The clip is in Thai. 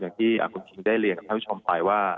อย่างที่คุณคิงได้เรียนกับท่านผู้ชมไปว่า